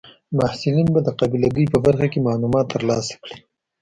محصلین به د قابله ګۍ په برخه کې معلومات ترلاسه کړي.